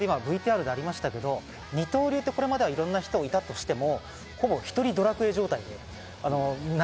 特に大谷さんってＶＴＲでありましたけど二刀流って、これまでいろんな人がいたとしても、ほぼ、１人ドラクエ状態。